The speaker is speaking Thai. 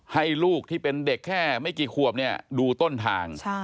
ให้ลูกที่เป็นเด็กแค่ไม่กี่ขวบดูต้นทาง